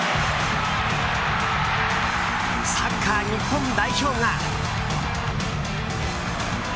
サッカー日本代表が。